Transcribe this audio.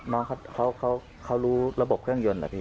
น้องเขารู้ระบบเครื่องยนต์เหรอพี่